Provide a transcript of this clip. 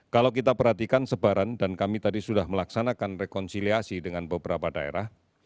kalau kita perhatikan sebaran dan kami tadi sudah melaksanakan rekonsiliasi dengan beberapa daerah